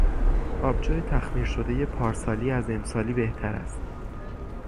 آبجو تخمیر شدهی پارسالی از امسالی بهتر است.